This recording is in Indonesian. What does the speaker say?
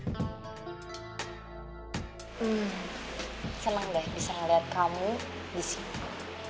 hmm senang deh bisa melihat kamu di sini